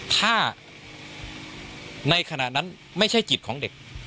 ถ้าในขณะนั้นไม่ใช่จิตของเด็ก